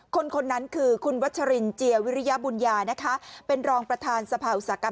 คนคนนั้นคือคุณวัชรินเจียวิริยบุญญานะคะเป็นรองประธานสภาอุตสาหกรรม